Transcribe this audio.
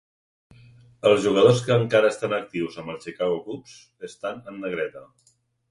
Els jugadors que encara estan actius amb els Chicago Cubs estan en negreta.